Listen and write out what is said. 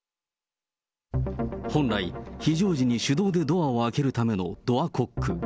本来、非常時に手動でドアを開けるためのドアコック。